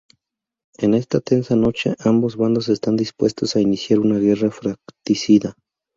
En esa tensa noche, ambos bandos están dispuestos a iniciar una guerra fratricida.